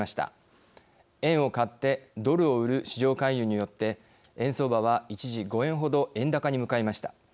円を買ってドルを売る市場介入によって円相場は一時５円ほど円高に向かいました。